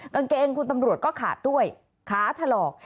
กางเกงคุณตำรวจก็ขาดด้วยขาถลอก